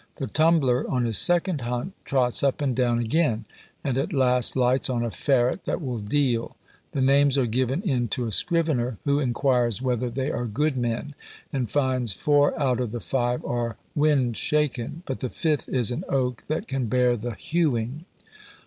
The tumbler, on his second hunt, trots up and down again; and at last lights on a ferret that will deal: the names are given in to a scrivener, who inquires whether they are good men, and finds four out of the five are wind shaken, but the fifth is an oak that can bear the hewing.